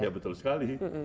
ya betul sekali